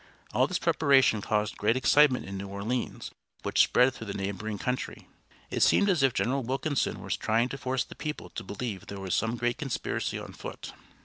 All this preparation caused great excitement in New Orleans, which spread through the neighboring country. It seemed as if General Wilkinson were trying to force the people to believe there was some great conspiracy on foot.